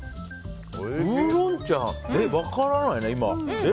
ウーロン茶、分からないね。